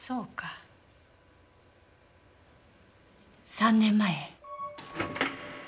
３年前。